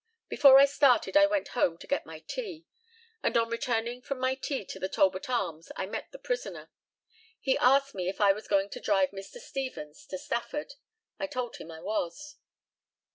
Before I started I went home to get my tea, and on returning from my tea to the Talbot Arms I met the prisoner. He asked me if I was going to drive Mr. Stevens to Stafford. I told him I was.